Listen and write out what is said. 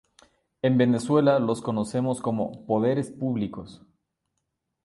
En Venezuela los conocemos como "Poderes Públicos".